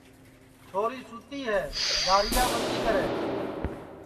چھوری سُتی ہے گاریا متی کرے